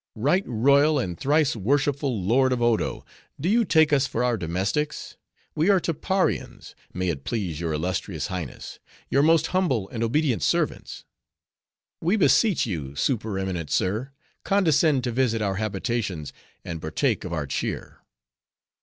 "Right royal, and thrice worshipful Lord of Odo, do you take us for our domestics? We are Tapparians, may it please your illustrious Highness; your most humble and obedient servants. We beseech you, supereminent Sir, condescend to visit our habitations, and partake of our cheer."